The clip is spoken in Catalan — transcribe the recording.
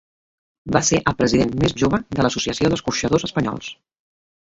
Va ser el president més jove de l'Associació d'Escorxadors Espanyols.